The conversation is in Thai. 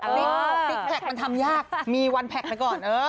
เออมันทำยากมี๑แพ็กไปก่อน